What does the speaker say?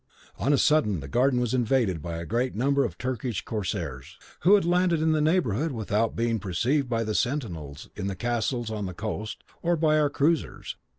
On a sudden the garden was invaded by a great number of Turkish corsairs, who had landed in the neighbourhood without being perceived by the sentinels in the castles on the coast, or by our cruisers.